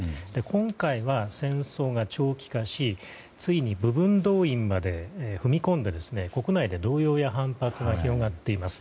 今回は戦争が長期化しついに部分動員まで踏み込んで国内で動揺や反発が広がっています。